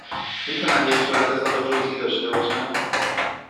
می توانم یک صورتحساب جزئی داشته باشم؟